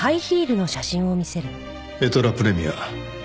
エトラプレミア。